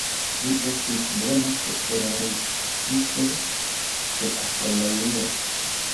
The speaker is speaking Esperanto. Li estis bona popularigisto de astronomio.